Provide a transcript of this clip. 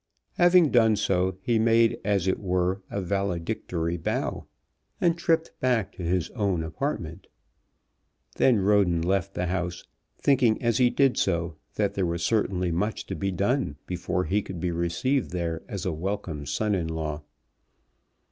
Having done so, he made as it were a valedictory bow, and tripped back to his own apartment. Then Roden left the house, thinking as he did so that there was certainly much to be done before he could be received there as a welcome son in law.